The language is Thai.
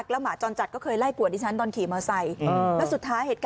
คุณผู้ชมเดี๋ยวอยากให้ดูบรรยากาศที่เจ้าหน้าที่จะไปจับหมาจรจัดด้วยการยิงยาสลบค่ะ